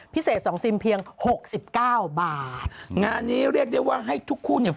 พิเศษ๒ซิมเพียง๖๙บาทงานนี้เรียกได้ว่าให้ทุกคู่เนี่ย